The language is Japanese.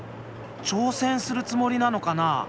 挑戦するつもりなのかな。